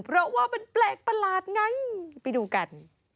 เพราะว่ามันแปลกประหลาดไงไปดูกัน